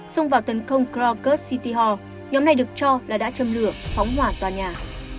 xông vào tấn công kroger city hall nhóm này được cho là đã châm lửa phóng hỏa toàn nhà